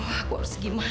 aduh aku harus gimana nih